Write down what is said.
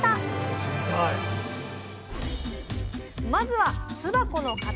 まずは巣箱の形！